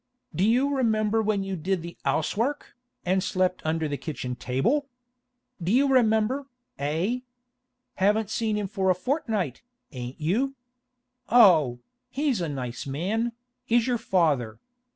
D'you remember when you did the 'ouse work, an' slept under the kitchen table? D'you remember, eh? Haven't seen him for a fortnight, ain't you? Oh, he's a nice man, is your father!